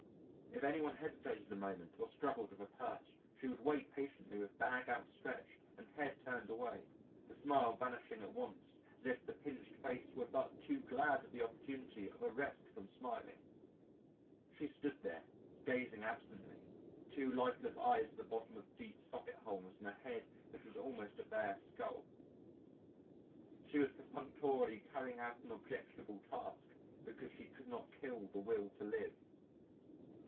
If any one hesitated a moment or struggled with a purse she would wait patiently with bag outstretched and head turned away, the smile vanishing at once as if the pinched face were but too glad of the opportunity of a rest from smiling. She stood there, gazing absently two lifeless eyes at the bottom of deep socket holes in a head which was almost a bare skull. She was perfunctorily carrying out an objectionable task because she could not kill the will to live.